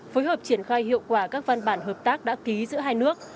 phối hợp triển khai hiệu quả các văn bản hợp tác đã ký giữa hai nước